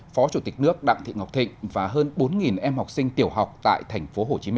phó chủ tịch nước đặng thị ngọc thịnh và hơn bốn em học sinh tiểu học tại tp hcm